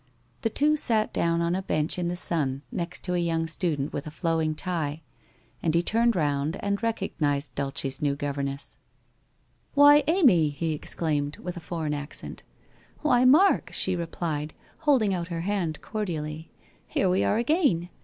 The two sat down on a bench in the sun next to a young student with a flowing tie, and he turned round and recognized Duke's new governess. * Why, Amy !' he exclaimed, with a foreign accent. 'Why, Mark!' she replied, holding out her hand cor dially. 'Here we are again.